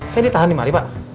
saya ditahan nih mari pak